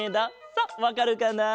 さあわかるかな？